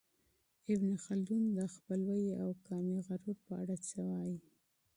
ابن خلدون د خپلوۍ او قومي غرور په اړه څه وايي؟